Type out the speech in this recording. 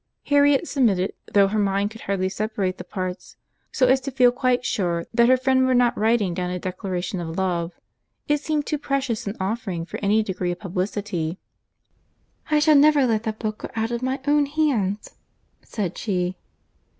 Harriet submitted, though her mind could hardly separate the parts, so as to feel quite sure that her friend were not writing down a declaration of love. It seemed too precious an offering for any degree of publicity. "I shall never let that book go out of my own hands," said she.